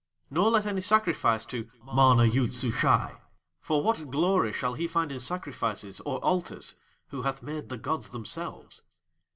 "Nor let any sacrifice to MANA YOOD SUSHAI, for what glory shall he find in sacrifices or altars who hath made the gods themselves?